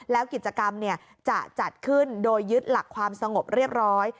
แล้วกิจกรรมจะจัดขึ้นโดยยึดหลักความสงบเรียบร้อย